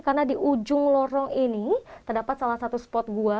karena di ujung lorong ini terdapat salah satu spot gua